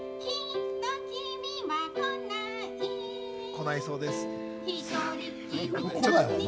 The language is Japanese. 来ないそうです。